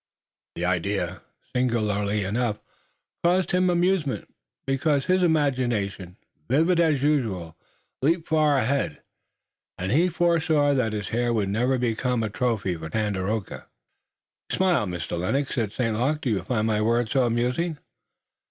The idea, singularly enough, caused him amusement, because his imagination, vivid as usual, leaped far ahead, and he foresaw that his hair would never become a trophy for Tandakora. "You smile, Mr. Lennox," said St. Luc. "Do you find my words so amusing?"